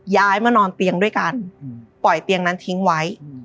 ย้ายมานอนเตียงด้วยกันปล่อยเตียงนั้นทิ้งไว้